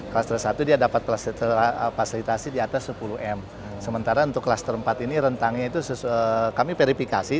kluster satu dia dapat fasilitasi di atas sepuluh m sementara untuk kluster empat ini rentangnya itu kami verifikasi